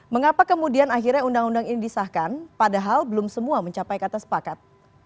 mengapa kemudian akhirnya undang undang ini disahkan padahal belum semua mencapai kata sepakat